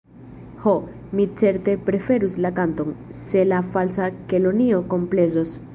Ho, mi certe preferus la kanton, se la Falsa Kelonio komplezos.